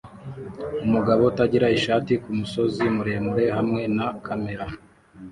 Umugabo utagira ishati kumusozi muremure hamwe na kamera